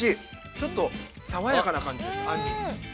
ちょっと爽やかな感じです、杏仁。